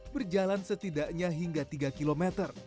berjalan setidaknya hingga tiga km